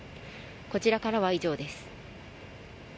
こちらからは以上です。